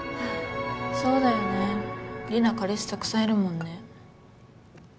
そうだよねリナ彼氏たくさんいるもんね。